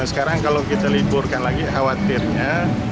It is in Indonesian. sekarang kalau kita liburkan lagi khawatirnya